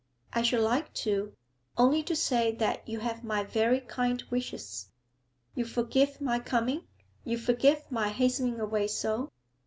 I should like to only to say that you have my very kindest wishes. You forgive my coming; you forgive my hastening away so?'